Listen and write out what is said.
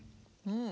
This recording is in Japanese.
うん。